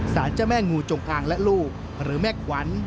สารเจ้าแม่งูจงอางและลูกหรือแม่ขวัญ